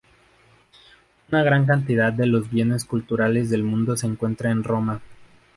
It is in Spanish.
Una gran cantidad de los bienes culturales del mundo se encuentra en Roma.